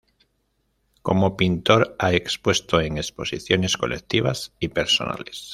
Como pintor ha expuesto en exposiciones colectivas y personales.